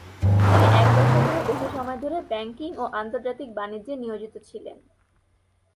তিনি এক দশকেরও বেশি সময় ধরে ব্যাংকিং ও আন্তর্জাতিক বাণিজ্যে নিয়োজিত ছিলেন।